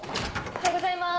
おはようございます。